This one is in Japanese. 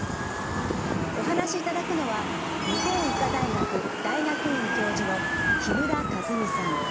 お話しいただくのは日本医科大学大学院教授の木村和美さん。